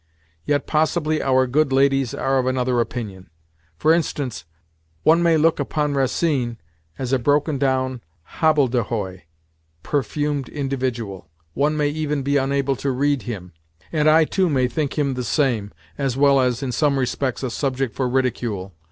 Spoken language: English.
Yet possibly our good ladies are of another opinion. For instance, one may look upon Racine as a broken down, hobbledehoy, perfumed individual—one may even be unable to read him; and I too may think him the same, as well as, in some respects, a subject for ridicule.